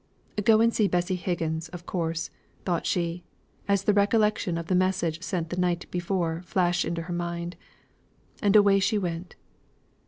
"Go and see Bessy Higgins, of course," thought she, as the recollection of the message sent the night before flashed into her mind. And away she went.